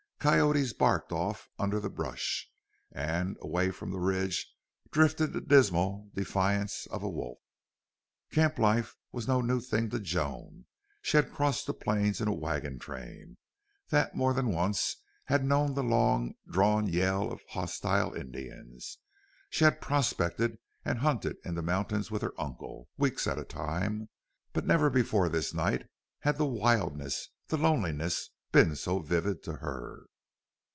Coyotes barked off under the brush, and from away on the ridge drifted the dismal defiance of a wolf. Camp life was no new thing to Joan. She had crossed the plains in a wagon train, that more than once had known the long drawn yell of hostile Indians. She had prospected and hunted in the mountains with her uncle, weeks at a time. But never before this night had the wildness, the loneliness, been so vivid to her.